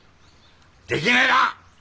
できねえな！